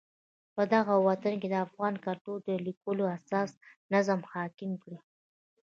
پدغه وطن کې د افغان کلتور نا لیکلو اساساتو نظم حاکم کړی.